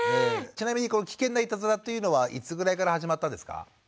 ちなみに危険ないたずらっていうのはいつぐらいから始まったんですか？